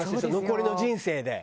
残りの人生で。